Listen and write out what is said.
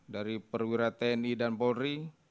dari perwira tni dan polri